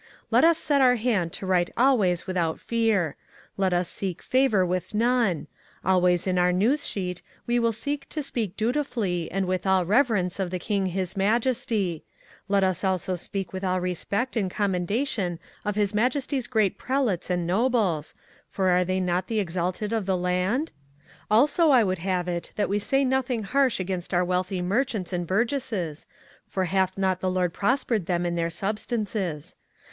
Let us set our hand to write always without fear. Let us seek favour with none. Always in our news sheet we will seek to speak dutifully and with all reverence of the King his Majesty: let us also speak with all respect and commendation of His Majesty's great prelates and nobles, for are they not the exalted of the land? Also I would have it that we say nothing harsh against our wealthy merchants and burgesses, for hath not the Lord prospered them in their substances.